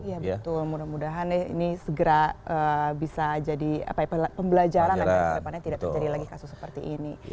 iya betul mudah mudahan ini segera bisa jadi pembelajaran agar kedepannya tidak terjadi lagi kasus seperti ini